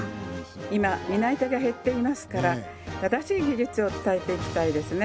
今、担い手が減っていますから正しい技術を伝えていきたいですね。